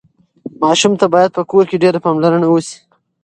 ماشوم ته باید په کور کې ډېره پاملرنه وشي.